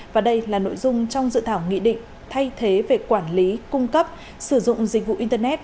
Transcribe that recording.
và đây là nội dung trong dự thảo nghị định thay thế về quản lý cung cấp sử dụng dịch vụ internet